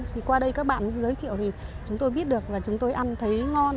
thì qua đây các bạn giới thiệu thì chúng tôi biết được và chúng tôi ăn thấy ngon